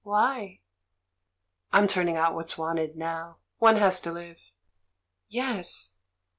Why?" "I'm turning out what's wanted now. One has to live." "Yes.